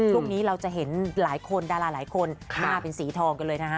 ช่วงนี้เราจะเห็นหลายคนดาราหลายคนหน้าเป็นสีทองกันเลยนะฮะ